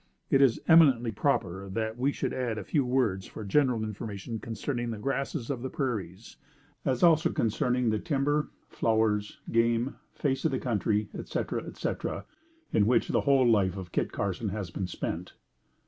It is eminently proper that we should add a few words for general information concerning the grasses of the prairies, as also concerning the timber, flowers, game, face of the country, etc., etc., in which the whole life of Kit Carson has been spent.